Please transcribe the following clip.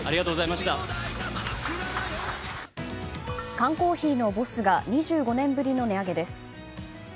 缶コーヒーのＢＯＳＳが２５年ぶりの値上げです。